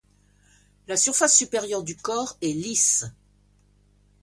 La surface supérieure du corps est lisse.